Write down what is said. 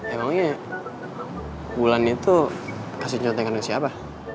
emangnya wulan itu kasih contekan yang siapa